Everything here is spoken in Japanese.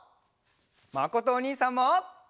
まことおにいさんも！